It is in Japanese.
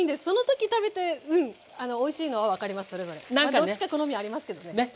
どっちか好みありますけどねねっ。